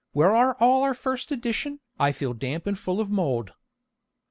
Where are all our first edition?" I feel damp and full of mould.